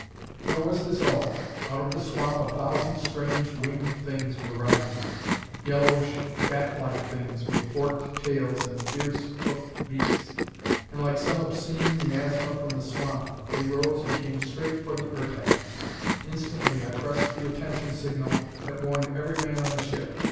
Nor was this all. Out of the swamp a thousand strange, winged things were rising: yellowish, bat like things with forked tails and fierce hooked beaks. And like some obscene miasma from that swamp, they rose and came straight for the Ertak! Instantly I pressed the attention signal that warned every man on the ship.